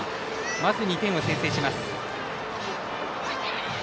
まず２点を先制します。